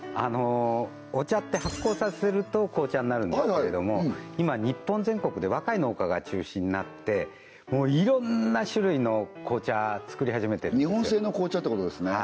お茶って発酵させると紅茶になるんですけれども今日本全国で若い農家が中心になってもういろんな種類の紅茶作り始めてるんです